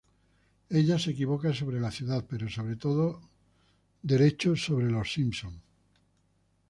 Ella se equivoca sobre la ciudad, pero sobre todo derecho sobre Los Simpson.